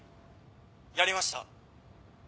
やりました。